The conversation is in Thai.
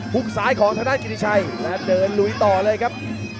ซ้ายของทางด้านกิติชัยและเดินลุยต่อเลยครับ